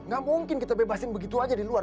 gak mungkin kita bebasin begitu aja di luar